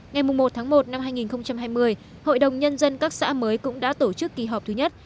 ngày một một hai nghìn hai mươi hội đồng nhân dân các xã mới cũng đã tổ chức kỳ họp thứ nhất